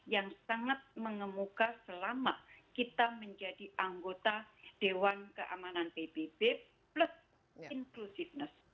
yang sangat mengemuka selama kita menjadi anggota dewan keamanan pbb plus inclusiveness